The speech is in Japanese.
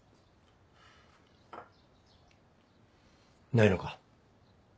ないのか？